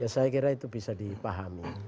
saya kira itu bisa dipahami